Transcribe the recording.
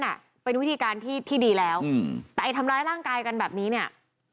น่ะเป็นวิธีการที่ที่ดีแล้วอืมแต่ไอ้ทำร้ายร่างกายกันแบบนี้เนี่ย